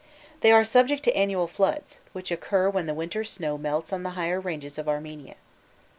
They are subject to annual floods, which occur when the winter snow melts on the higher ranges of Armenia.